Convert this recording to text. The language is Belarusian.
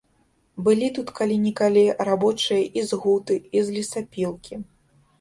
Былі тут калі-нікалі рабочыя і з гуты, і з лесапілкі.